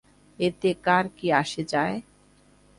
এতে তার কী আসে যায়?